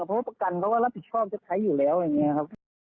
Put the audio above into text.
เพราะว่าประกันเขาก็รับผิดชอบจะใช้อยู่แล้วอะไรอย่างนี้ครับ